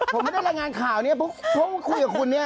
ผมไม่ได้รายงานข่าวเนี่ยเพราะว่าคุยกับคุณเนี่ย